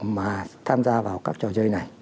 mà tham gia vào các trò chơi này